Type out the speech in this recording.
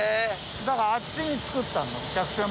だからあっちに造ったの客船